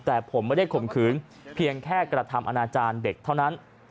แต่ผมไม่ได้ข่มขืนเพียงแค่กระทำอนาจารย์เด็กเท่านั้น